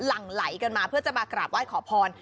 หลังไหลกันมาเพื่อจะมากราบไหว้ขอพร